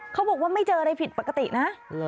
เขาบอกว่าไม่เจออะไรผิดปกตินะ